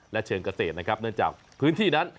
และเชิงเกษตรนะครับเนื่องจากพื้นที่นั้น